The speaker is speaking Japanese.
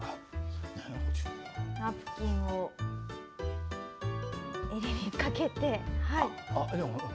ナプキンをえりにかけて。